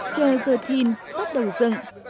chờ dơ thiên bắt đầu dừng